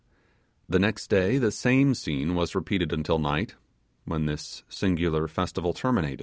The next day the same scene was repeated until night, when this singular festival terminat